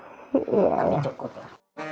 tapi cukup lah